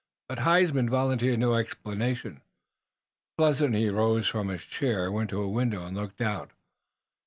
But Huysman volunteered no explanation. Presently he rose from his chair, went to a window and looked out.